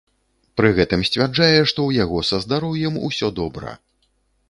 Пры гэтым сцвярджае, што ў яго са здароўем усё добра.